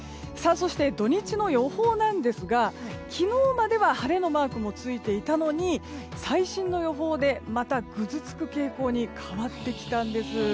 そして土日の予報なんですが昨日までは晴れのマークもついていたのに最新の予報でまたぐずつく傾向に変わってきたんです。